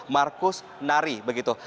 markus nari begitu